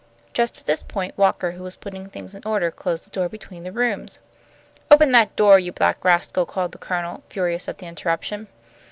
Just at this point Walker, who was putting things in order, closed the door between the rooms. "Open that door, you black rascal!" called the Colonel, furious at the interruption.